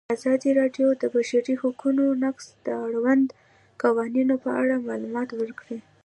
ازادي راډیو د د بشري حقونو نقض د اړونده قوانینو په اړه معلومات ورکړي.